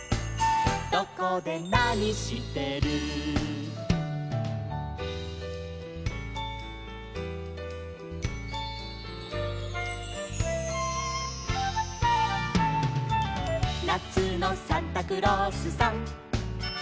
「どこでなにしてる」「なつのサンタクロースさん」